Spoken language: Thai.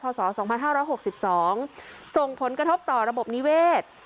ศ๒๕๖๒ส่งผลกระทบต่อระบบนิเวศ